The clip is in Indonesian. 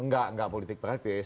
enggak enggak politik praktik